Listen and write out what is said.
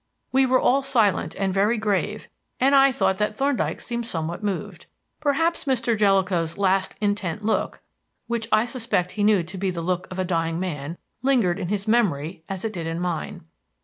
We were all silent and very grave, and I thought that Thorndyke seemed somewhat moved. Perhaps Mr. Jellicoe's last intent look which I suspect he knew to be the look of a dying man lingered in his memory as it did in mine.